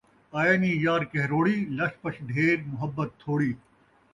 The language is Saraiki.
آئے نی یار کہروڑی، لش پش ڈھیر محبت تھوڑی